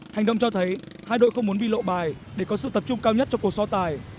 hành động cho thấy hai đội không muốn bị lộ bài để có sự tập trung cao nhất cho cuộc so tài